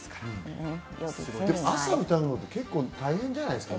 朝歌うのって結構、大変じゃないですか？